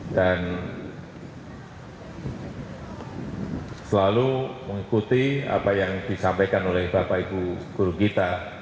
dan selalu mengikuti apa yang disampaikan oleh bapak ibu guru kita